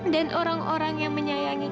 dan orang orang yang menyayangimu